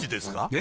え？